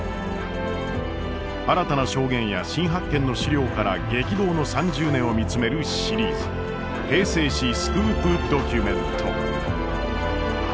新たな証言や新発見の資料から激動の３０年を見つめるシリーズ「平成史スクープドキュメント」。